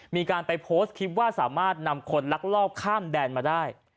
มีการไปโพสต์คลิปว่าสามารถนำคนลักลอบข้ามแดนมาได้